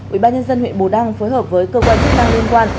ubnd huyện bù đăng phối hợp với cơ quan chức năng liên quan